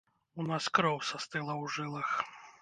У нас кроў састыла ў жылах.